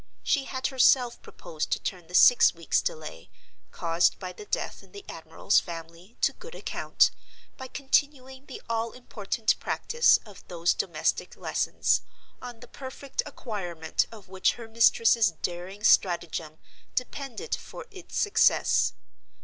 She had herself proposed to turn the six weeks' delay, caused by the death in the admiral's family, to good account, by continuing the all important practice of those domestic lessons, on the perfect acquirement of which her mistress's daring stratagem depended for its success.